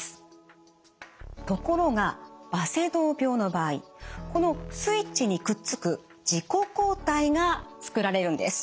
ところがバセドウ病の場合このスイッチにくっつく自己抗体が作られるんです。